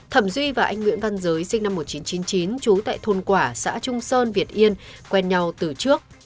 thẩm duy và anh nguyễn văn giới sinh năm một nghìn chín trăm chín mươi chín trú tại thôn quả xã trung sơn việt yên quen nhau từ trước